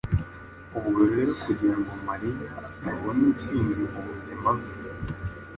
Ubwo rero kugira ngo Mariya abone intsinzi mu buzima bwe